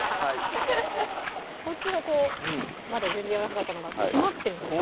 こっちのこうまだ全然やわらかかったのが締まってるんですよね